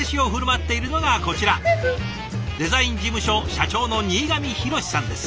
デザイン事務所社長の新上ヒロシさんです。